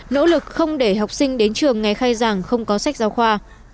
nỗ lực không để học sinh đến trường ngày khai giảng không có sách giáo khoa